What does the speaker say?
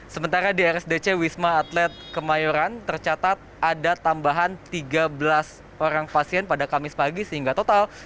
sementara di rsdc wisma atlet kemayoran tercatat ada tambahan tiga belas orang pasien pada kamis pagi sehingga total